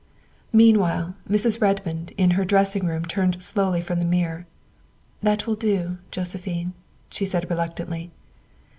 Meanwhile, Mrs. Redmond in her dressing room turned slowly from her mirror. " That will do, Josephine," she said reluctantly